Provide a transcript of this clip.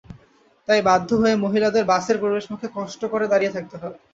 তাই বাধ্য হয়ে মহিলাদের বাসের প্রবেশমুখে কষ্ট করে দাঁড়িয়ে থাকতে হয়।